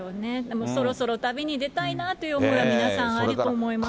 そろそろ旅に出たいなという思いは皆さんあると思いますが。